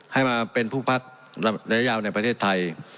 ให้มาเป็นผู้พักระยะยาวในประเทศไทย